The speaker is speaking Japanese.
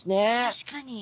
確かに。